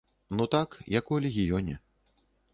Ну так, як у легіёне.